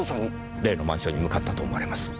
例のマンションに向かったと思われます。